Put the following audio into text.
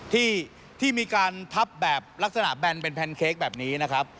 ที่มีการทับแบบลักษณะแบนเป็นแพนเค้กแบบนี้นะครับ